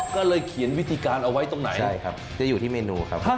ก็เลยเขียนวิธีการเอาไว้ตรงไหน